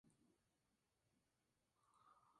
En la portada se utilizó la fotografía de David Bailey.